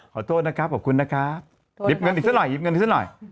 ขอโทษนะครับขอบคุณนะครับหยิบเงินอีกสักหน่อยหยิบเงินให้ซะหน่อย